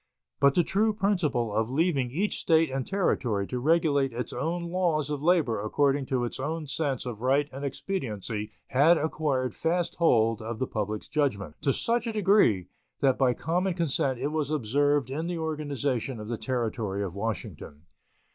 But the true principle of leaving each State and Territory to regulate its own laws of labor according to its own sense of right and expediency had acquired fast hold of the public judgment, to such a degree that by common consent it was observed in the organization of the Territory of Washington.